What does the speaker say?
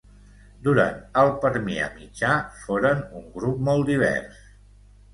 Durant el Permià mitjà foren un grup molt divers.